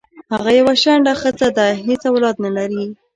هغه یوه شنډه خځه ده حیڅ اولاد نه لری